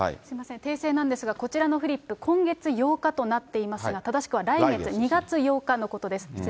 訂正なんですが、こちらのフリップ、今月８日となっていますが、正しくは来月、２月８日のことです。